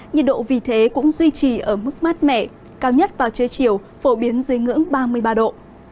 nhiệt độ vì thế cũng duy trì ở mức mát mẻ cao nhất vào trưa chiều phổ biến dưới ngưỡng ba mươi ba độ